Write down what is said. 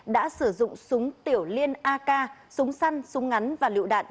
đã sử dụng súng tiểu liên ak súng săn súng ngắn và lựu đạn